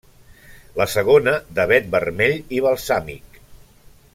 La segona, d'avet vermell i balsàmic.